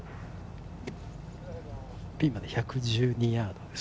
ピンまで１１２ヤードです。